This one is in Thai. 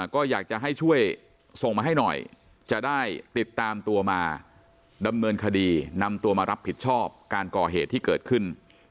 ก็อยากจะให้ช่วยส่งมาให้หน่อยจะได้ติดตามตัวมาดำเนินคดีนำตัวมารับผิดชอบการก่อเหตุที่เกิดขึ้น